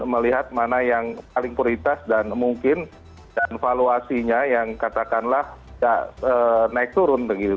melihat mana yang paling prioritas dan mungkin dan valuasinya yang katakanlah tidak naik turun begitu